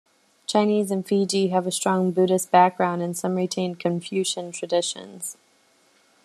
Chinese in Fiji have a strong Buddhist background and some retained Confucian traditions.